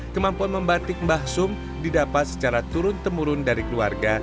kemampuan membatik mbah sum didapat secara turun temurun dari keluarga